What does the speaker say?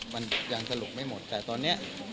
มันยังสรุปไม่หมดแต่ตอนนี้